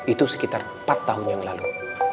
itu sekitar empat tahun yang lalu